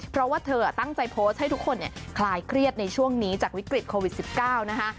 เพราะว่าเธอตั้งใจโพสต์ให้ทุกคนคลายเครียดในช่วงนี้จากวิกฤตโควิด๑๙นะคะ